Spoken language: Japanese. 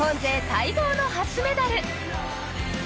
待望の初メダル。